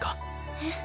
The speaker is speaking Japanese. えっ？